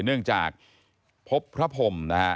เนื่องจากพบพระพรมนะฮะ